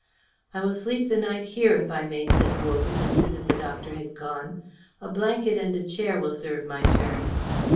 "I will sleep the night here if I may," said Wogan, as soon as the doctor had gone. "A blanket and a chair will serve my turn."